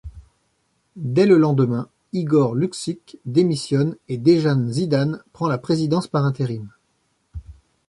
Dès le lendemain, Igor Lukšič démissionne et Dejan Židan prend la présidence par intérim.